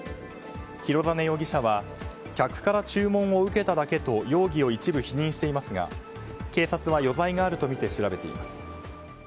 広実容疑者は客から注文を受けただけと容疑を一部否認していますが警察は、余罪があるとみて調べています。